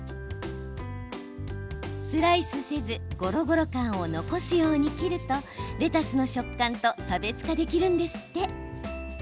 スライスせずゴロゴロ感を残すように切るとレタスの食感と差別化できるんですって。